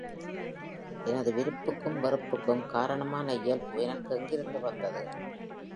எனது விருப்புக்கும் வெறுப்புக்கும் காரணமான இயல்பு எனக்கு எங்கிருந்து வந்தது?